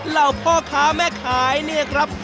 เหล่าพ่อค้าแม่ขายเนี่ยครับ